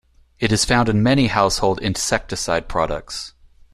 It is found in many household insecticide products.